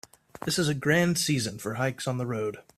This is a grand season for hikes on the road.